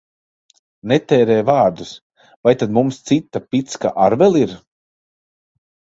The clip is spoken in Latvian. Netērē vārdus! Vai tad mums cita picka ar vēl ir?